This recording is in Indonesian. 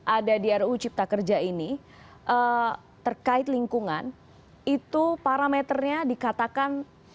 ada di ruu cipta kerja yang baru ini tapi sebenarnya bang re ada yang ingin saya konfirmasi apakah betul kemudian aturan aturan yang sekarang ada di ruu cipta kerja yang baru ini